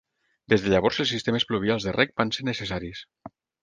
Des de llavors els sistemes pluvials de reg van ser necessaris.